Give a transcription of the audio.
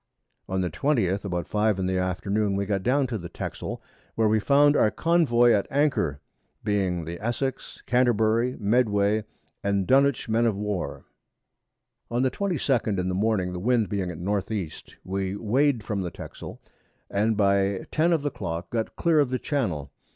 On the 20th, about 5 in the Afternoon, we got down to the Texel, where we found our Convoy at Anchor, being the Essex, Canterbury, Medway, and Dunwich Men of War. On the 22d in the Morning, the Wind being at N. E. we weigh'd from the Texel, and by 10 of the Clock got clear of the Channel.